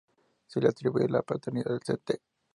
Se le atribuye la paternidad de St.